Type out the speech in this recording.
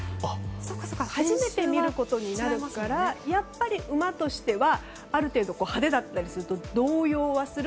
初めて見ることになるからやっぱり馬としてはある程度派手だったりすると動揺はする。